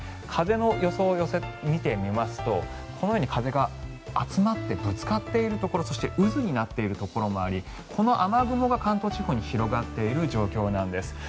風の予想を見てみますとこのように風が集まってぶつかっているところ渦になっているところもありこの雨雲が関東地方に広がっている状況なんです。